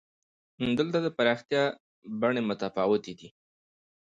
دلته د پراختیا بڼې متفاوتې دي.